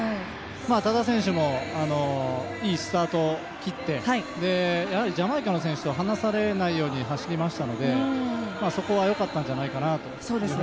多田選手もいいスタートを切ってジャマイカの選手と離されないように走りましたのでそこは良かったんじゃないかなと思いますね。